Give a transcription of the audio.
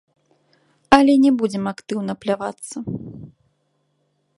Але не будзем актыўна плявацца.